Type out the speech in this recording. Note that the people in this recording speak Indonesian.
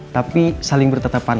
tapi saling bertetapan